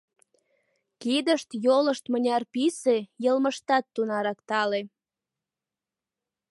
Кидышт-йолышт мыняр писе, йылмыштат тунарак тале.